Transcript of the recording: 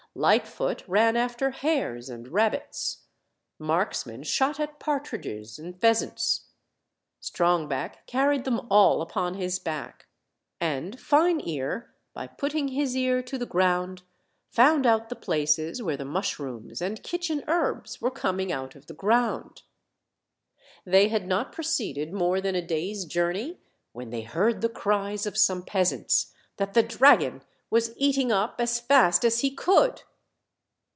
Lightfoot ran after hares and rabbits; Marksman OLD, OLD FAIRY TALES. 89 shot at partridges and pheasants; Strongback carried them all upon his hack; and Fine ear, by putting his ear to the ground, found out the places where the mush rooms and kitchen herbs were coming out of the ground. They had not proceeded more than a day's journey when they heard the cries of some peasants that the dragon was eating up as fast as he could.